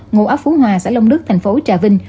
ngô áp phú hòa xã long đức tp trà vinh